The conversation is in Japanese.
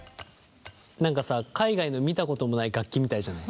何かさ海外の見たこともない楽器みたいじゃない。